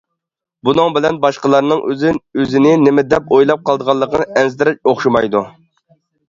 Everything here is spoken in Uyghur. بۇنىڭ بىلەن باشقىلارنىڭ ئۆزىنى نېمە دەپ ئويلاپ قالىدىغانلىقىدىن ئەنسىرەش ئوخشىمايدۇ.